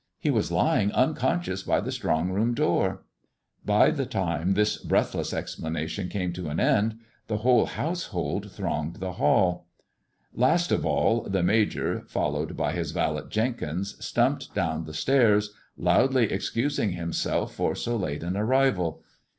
He was lying unconscious by the strong room door." By the time this breathless explanation came to an end, THE rVOBY LEG AND THE DIAMONDS 347 bbe whole iiousebold thronged the hall. Last of all the Major, followed by his valet Jenkins, stumped down tho etairs, loudly excusing himself for so late an arrival.